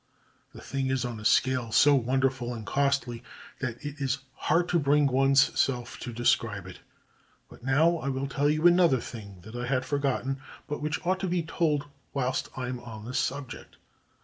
The thing is on a scale so wonderful and costly that it is hard to bring one's self to describe it. But now I will tell you another thing that I had for gotten, but which ought to be told whilst I am on this subject.